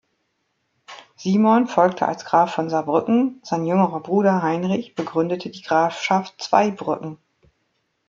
Simon folgte als Graf von Saarbrücken, sein jüngerer Bruder Heinrich begründete die Grafschaft Zweibrücken.